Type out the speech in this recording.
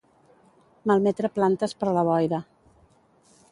Malmetre plantes per la boira.